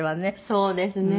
そうですね。